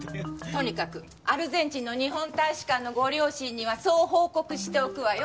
とにかくアルゼンチンの日本大使館のご両親にはそう報告しておくわよ。